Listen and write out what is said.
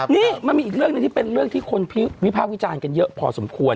นี่มันมีอีกเรื่องหนึ่งที่เป็นเรื่องที่คนวิพากษ์วิจารณ์กันเยอะพอสมควร